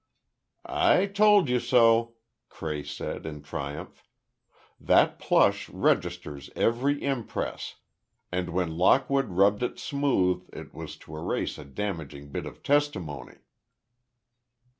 "I told you so!" Cray said, in triumph. "That plush registers every impress, and when Lockwood rubbed it smooth it was to erase a damaging bit of testimony."